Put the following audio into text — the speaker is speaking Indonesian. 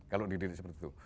kalau dididik seperti itu